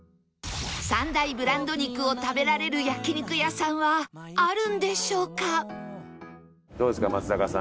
３大ブランド肉を食べられる焼肉屋さんはあるんでしょうか？